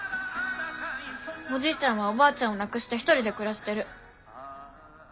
おじいちゃんはおばあちゃんを亡くして一人で暮らしてる。